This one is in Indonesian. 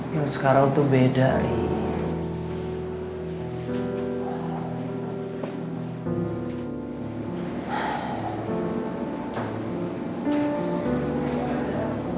yang sekarang tuh beda ini